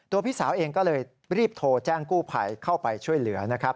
พี่สาวเองก็เลยรีบโทรแจ้งกู้ภัยเข้าไปช่วยเหลือนะครับ